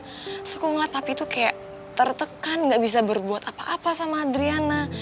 terus aku ngeliat api itu kayak tertekan gak bisa berbuat apa apa sama adriana